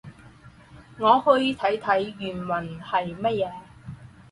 我去看看原文是什么。